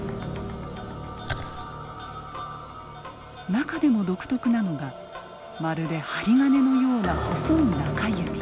中でも独特なのがまるで針金のような細い中指。